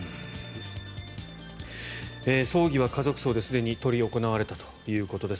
葬儀は家族葬ですでに執り行われたということです。